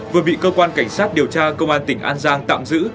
vừa bị cơ quan cảnh sát điều tra công an tỉnh an giang tạm giữ